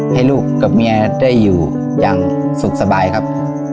ให้ลูกกับเมียได้อยู่อย่างสุขสบายครับ